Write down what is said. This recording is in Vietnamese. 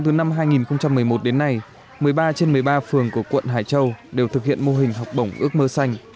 một mươi ba trên một mươi ba phường của quận hải châu đều thực hiện mô hình học bổng ước mơ xanh